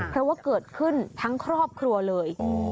เพราะว่าเกิดขึ้นทั้งครอบครัวเลย